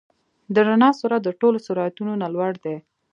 د رڼا سرعت د ټولو سرعتونو نه لوړ دی.